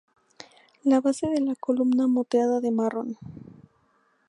La base de la columna moteada de marrón.